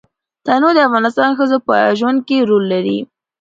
تنوع د افغان ښځو په ژوند کې رول لري.